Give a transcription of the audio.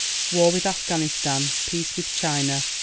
War with Afghanistan. Peace with China.